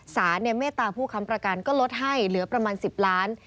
เมตตาผู้ค้ำประกันก็ลดให้เหลือประมาณ๑๐ล้าน